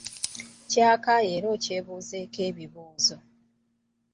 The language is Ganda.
Kyekkaanye era okyebuuzeeko ebibuuzo.